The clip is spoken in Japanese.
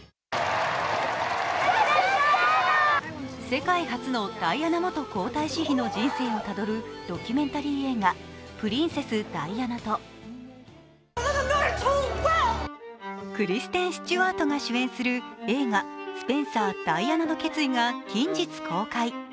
世界初のダイアナ元皇太子妃の人生をたどる、ドキュメンタリー映画「プリンセス・ダイアナ」とクリステン・スチュワートが主演する映画「スペンサー・ダイアナの決意」が近日公開。